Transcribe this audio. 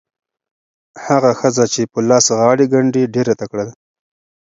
هغه ښځه چې په لاس غاړې ګنډي ډېره تکړه ده.